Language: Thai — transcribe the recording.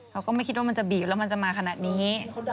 เขาก็ไม่คิดว่ามันจะบีบแล้วมันจะมาขนาดนี้